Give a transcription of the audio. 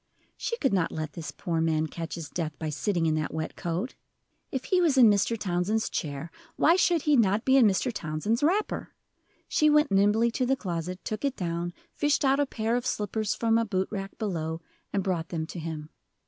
She could not let this poor man catch his death, by sitting in that wet coat. If he was in Mr. Townsend's chair, why should he not be in Mr. Townsend's wrapper? She went nimbly to the closet, took it down, fished out a pair of slippers from a boot rack below, and brought them to him.